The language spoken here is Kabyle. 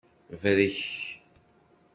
Brek.